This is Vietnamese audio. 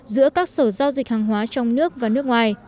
giữa các sở giao dịch hàng hóa trong nước và nước ngoài